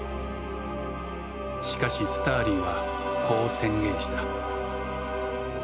しかしスターリンはこう宣言した。